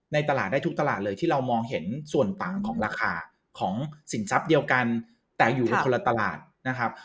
ในตลาดได้ทุกตลาดเลยที่เรามองเห็นส่วนต่างของราคาของสินทรัพย์เดียวกันแต่อยู่กันคนละตลาดนะครับ